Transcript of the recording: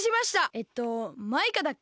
えっとマイカだっけ？